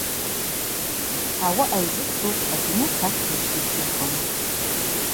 Ауаъа йзыцуш адуней ахъахь заджвгьи дгьыквым.